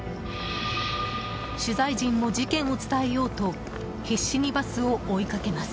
取材陣も、事件を伝えようと必死にバスを追いかけます。